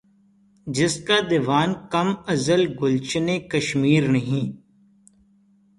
جس کا دیوان کم از گلشنِ کشمیر نہیں